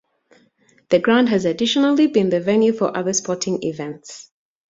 The ground has additionally been the venue for other sporting events.